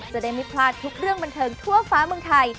จะได้ไม่พลาดทุกเรื่องบันเทิงทั่วฟ้าเมืองไทย